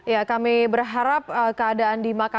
ya kami berharap keadaan di makassar